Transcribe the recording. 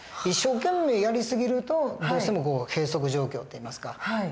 一生懸命やり過ぎるとどうしても閉塞状況っていいますか。